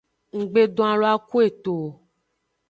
Nggbe don alon a ku eto o.